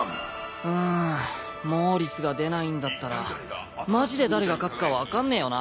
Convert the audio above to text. うんモーリスが出ないんだったらマジで誰が勝つか分かんねえよな。